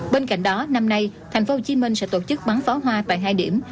bên cạnh đó năm nay thành phố hồ chí minh sẽ tổ chức bán pháo hoa tại hai điểm